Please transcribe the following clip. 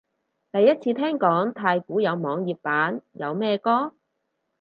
第一次聽講太鼓有網頁版，有咩歌？